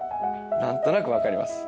何となく分かります。